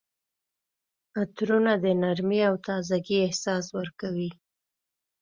عطرونه د نرمۍ او تازګۍ احساس ورکوي.